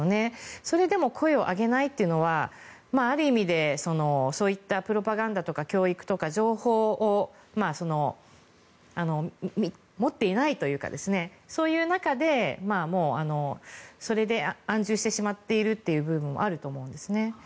それでも声を上げないというのはある意味でそういったプロパガンダとか教育とか情報を持っていないというかそういう中で、それで安住してしまっている部分もあると思うんですね。